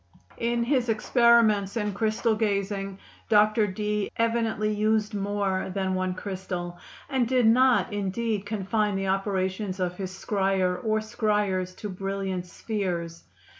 In his experiments in crystal gazing, Dr. Dee evidently used more than one crystal, and did not indeed confine the operations of his scryer or scryers to brilliant spheres.